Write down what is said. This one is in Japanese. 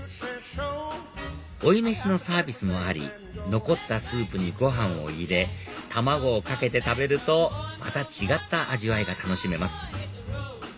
追い飯のサービスもあり残ったスープにご飯を入れ卵をかけて食べるとまた違った味わいが楽しめます